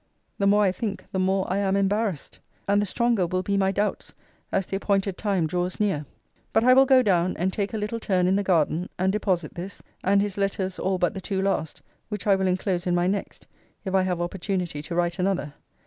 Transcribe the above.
The more I think, the more I am embarrassed! And the stronger will be my doubts as the appointed time draws near. But I will go down, and take a little turn in the garden; and deposit this, and his letters all but the two last, which I will enclose in my next, if I have opportunity to write another.